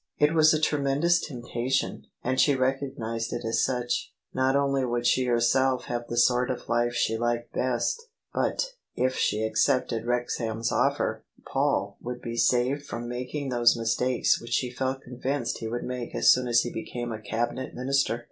It was a tremendous temptation, and she recognised it as such. Not only would she herself have the sort of life she liked best, but — if she accepted Wrexham's offer — Paul would be saved from making those mistakes which she felt convinced he would make as soon as he became a Cabinet Minister.